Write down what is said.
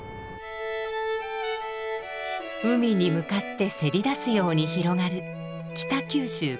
海に向かってせり出すように広がる北九州工業地域。